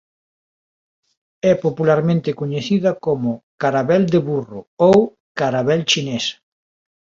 É popularmente coñecida como "caravel de burro" ou "caravel chinés".